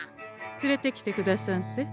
連れてきてくださんせ。